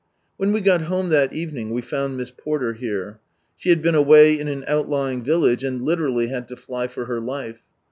When we got home that evening we found Miss Porter here. She had been away in an outlying village, and literally had to fly for her life.